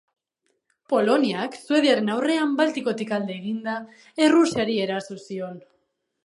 Poloniak, Suediaren aurrean Baltikotik alde eginda, Errusiari eraso zion.